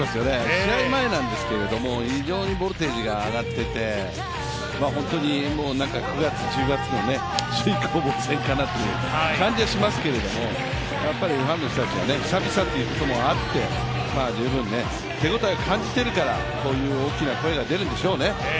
試合前なんですけども、非常にボルテージが上がっていて、本当に９月、１０月の首位攻防戦かなという感じがしますけど、やっぱりファンの人たちは久々っていうこともあって十分、手応えを感じてるからこういう大きな声が出るんでしょうね。